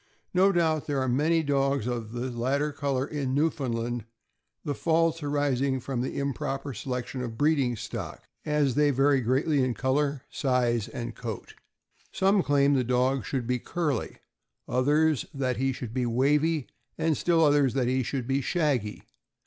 No doubt there are many dogs of the latter color in Newfoundland, the faults arising from the improper selection of the breeding stock, as they vary greatly in color, size, and coat. Some claim the dog should be curly, others that he should be wavy, and still others that he should be shaggy.